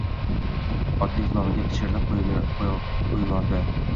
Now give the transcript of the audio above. Otning qulog‘iga pichirlab qo‘yvordi.